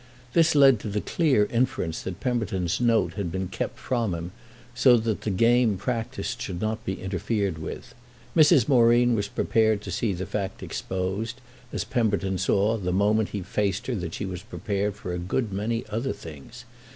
This led to the clear inference that Pemberton's note had been kept from him so that the game practised should not be interfered with. Mrs. Moreen was prepared to see the fact exposed, as Pemberton saw the moment he faced her that she was prepared for a good many other things.